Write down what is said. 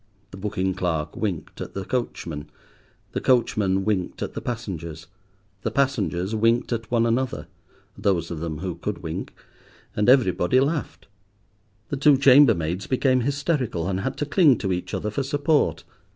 The booking clerk winked at the coachman, the coachman winked at the passengers, the passengers winked at one another—those of them who could wink—and everybody laughed. The two chamber maids became hysterical, and had to cling to each other for support.